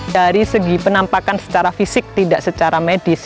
dari segi penampakan secara fisik tidak secara medis